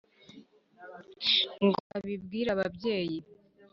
ngo abibwire ababyeyi